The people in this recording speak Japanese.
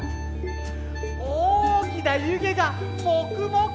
おおきなゆげがもくもく！